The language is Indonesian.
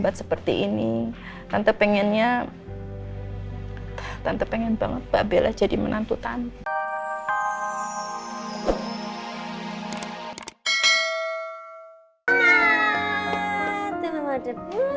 tante pengen banget mbak bella jadi menantu tante